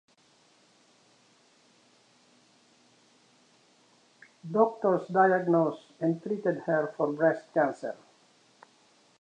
Doctors diagnosed and treated her for breast cancer.